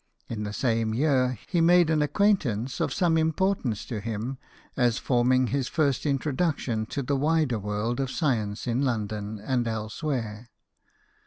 In the same year, he made an acquaintance of some importance to him, as forming his first introduc tion to the wider world of science in London and elsewhere.